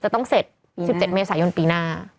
จะต้องเสร็จ๑๗เมษายนปีหน้า